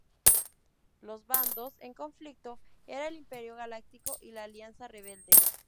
Los bandos en conflicto eran el Imperio Galáctico y la Alianza Rebelde.